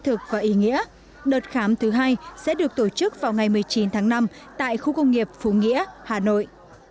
thực và ý nghĩa đợt khám thứ hai sẽ được tổ chức vào ngày một mươi chín tháng năm tại khu công nghiệp phú nghĩa hà nội